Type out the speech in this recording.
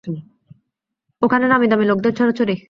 ওখানে নামী-দামী লোকদের ছড়াছড়ি।